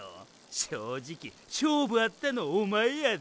正直勝負あったのおまえやで！